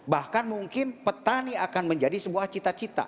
bahkan mungkin petani akan menjadi sebuah cita cita